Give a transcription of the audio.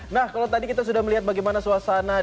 nah kalau tadi kita sudah melihat bagaimana suasana